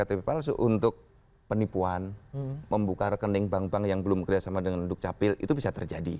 namanya ktp palsu untuk penipuan membuka rekening bank bank yang belum bekerjasama dengan duk capil itu bisa terjadi